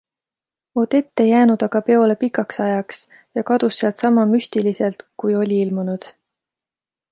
Odette ei jäänud aga peole pikaks ajaks ja kadus sealt sama müstiliselt kui oli ilmunud.